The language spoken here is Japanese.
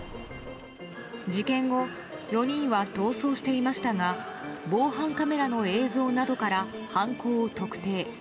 事件後４人は逃走していましたが防犯カメラの映像などから犯行を特定。